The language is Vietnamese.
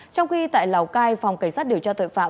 trong khi tại lào cai phòng cảnh sát điều tra tội phạm